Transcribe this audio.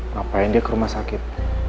ngapain dia ke rumah sakit